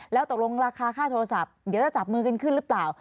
แล้วตกลงราคาค่าโทรศัพท์เดี๋ยวจะจับมือกันขึ้นหรือเปล่า